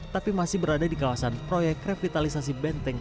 tapi masih berada di kawasan proyek revitalisasi benteng